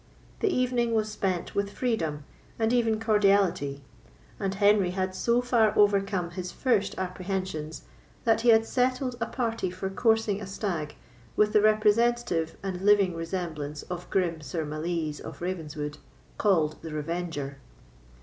The evening was spent with freedom, and even cordiality; and Henry had so far overcome his first apprehensions, that he had settled a party for coursing a stag with the representative and living resemblance of grim Sir Malise of Ravenswood, called the Revenger.